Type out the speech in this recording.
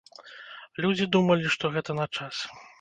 Людзі думалі, што гэта на час.